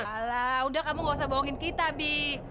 alah udah kamu enggak usah bohongin kita bi